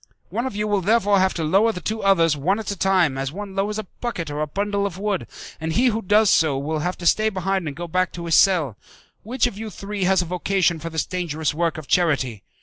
One of you will therefore have to lower the two others one at a time as one lowers a bucket or a bundle of wood, and he who does so will have to stay behind and go back to his cell. Which of you three has a vocation for this dangerous work of charity?